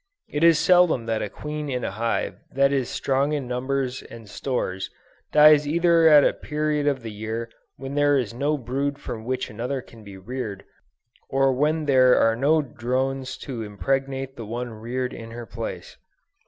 It is seldom that a queen in a hive that is strong in numbers and stores, dies either at a period of the year when there is no brood from which another can be reared, or when there are no drones to impregnate the one reared in her place.